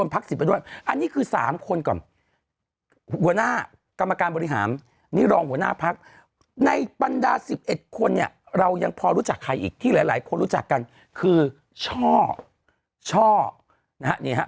ปัญดา๑๑คนเนี่ยเรายังพอรู้จักไข้อีกที่หลายคนรู้จักกันคือช่อช่อนะฮะเนี้ยฮะ